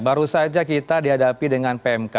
baru saja kita dihadapi dengan pmk